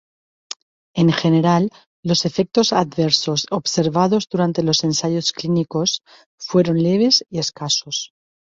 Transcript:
En general, los efectos adversos observados durante los ensayos clínicos fueron leves y escasos.